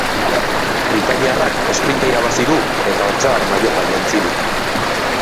Britainiarrak esprinta irabazi du eta ortzar maillota jantzi du.